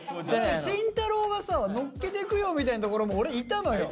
慎太郎がさ「乗っけてくよ」みたいなところもオレいたのよ。